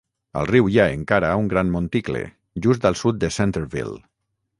Al riu hi ha encara un gran monticle, just al sud de Centerville.